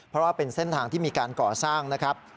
เพราะว่าเป็นเส้นทางที่มีการก่อสร้างนะครับ